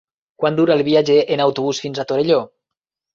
Quant dura el viatge en autobús fins a Torelló?